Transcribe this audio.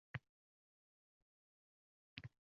uni begonalardek qarshilamadi.